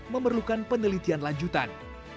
memerlukan penelitian lanjutan